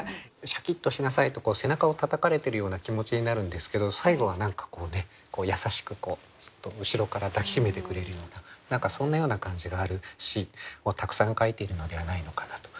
シャキッとしなさいと背中をたたかれているような気持ちになるんですけど最後は何かこうね優しくそっと後ろから抱き締めてくれるような何かそんなような感じがある詩をたくさん書いているのではないのかなと。